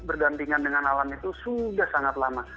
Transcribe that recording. bergantian dengan alam itu sudah sangat lama